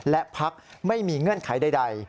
และพักไม่มีเงื่อนไขใด